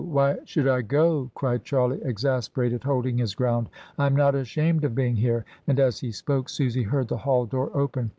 Why should I go?" cried Charlie, ex asperated, holding his ground. "I am not ashamed of being here," and as he spoke Susy heard the hall door open.